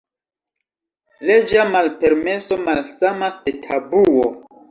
Leĝa malpermeso malsamas de tabuo.